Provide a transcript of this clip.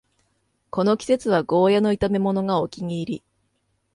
この季節はゴーヤの炒めものがお気に入り